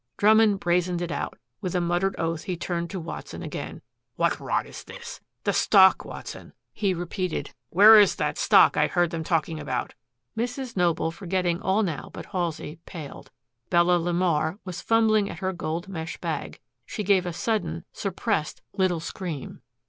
Drummond brazened it out. With a muttered oath he turned to Watson again. "What rot is this? The stock, Watson," he repeated. "Where is that stock I heard them talking about?" Mrs. Noble, forgetting all now but Halsey, paled. Bella LeMar was fumbling at her gold mesh bag. She gave a sudden, suppressed little scream.